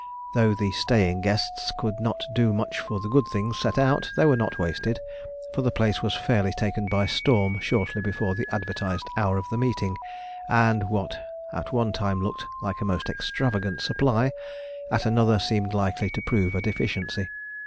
Though the staying guests could not do much for the good things set out, they were not wasted, for the place was fairly taken by storm shortly before the advertised hour of meeting; and what at one time looked like a most extravagant supply, at another seemed likely to prove a deficiency.